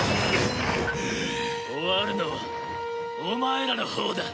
終わるのはお前らのほうだ！